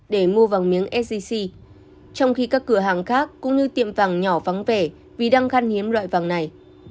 để mua vàng miếng sgc trong khi các cửa hàng khác cũng như tiệm vàng nhỏ vắng vẻ vì đang khăn hiếm loại vàng này